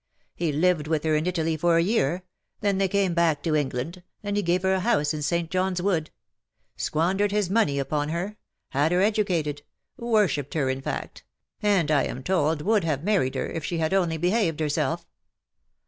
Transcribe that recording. He lived with her in Italy for a year; then they came back to England, and he gave her a house in St. John's Wood ; squandered his money upon her ; had her educated ; worshipped her, in fact ; and, I am told, would have married her, if she had only behaved herself.